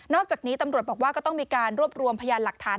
อกจากนี้ตำรวจบอกว่าก็ต้องมีการรวบรวมพยานหลักฐาน